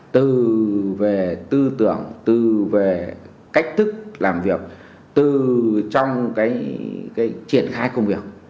từ về tư tưởng từ về cách thức làm việc từ trong cái triển khai công việc